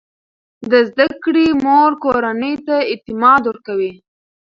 د زده کړې مور کورنۍ ته اعتماد ورکوي.